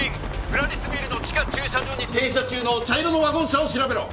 プラリスビルの地下駐車場に停車中の茶色のワゴン車を調べろ！